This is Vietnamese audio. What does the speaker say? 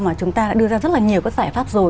mà chúng ta đã đưa ra rất là nhiều các giải pháp rồi